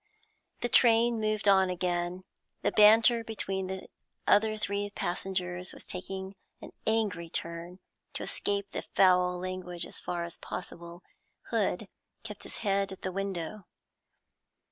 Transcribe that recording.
The train moved on again. The banter between the other three passengers was taking an angry turn; to escape the foul language as far as possible, Hood kept his head at the window.